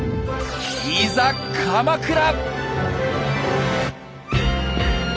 いざ鎌倉！